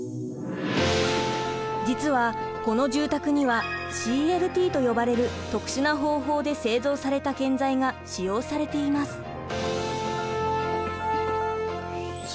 実はこの住宅にはＣＬＴと呼ばれる特殊な方法で製造された建材が使用されています。